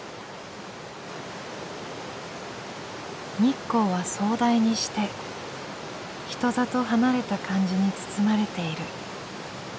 「日光は壮大にして人里離れた感じに包まれている。